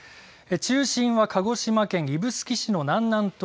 中心は鹿児島県指宿市の南南東